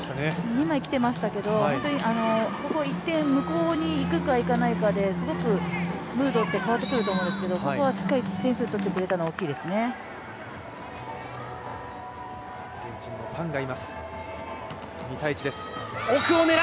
二枚きてましたけど１点向かうにいくかいかないかですごくムードって変わってくると思うんですけれどもここはしっかり点数をとってくれたのすごく大きいですね。